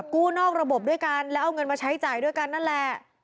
กู้นอกระบบด้วยกันแล้วเอาเงินมาใช้จ่ายด้วยกันนั่นแหละ